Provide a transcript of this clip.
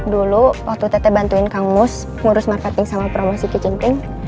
dulu waktu tete bantuin kang mus ngurus marketing sama promosi kicimring